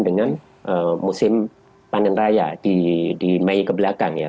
dengan musim panen raya di mei kebelakang ya